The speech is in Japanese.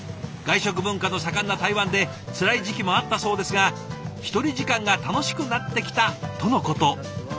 外食文化の盛んな台湾でつらい時期もあったそうですが１人時間が楽しくなってきたとのこと。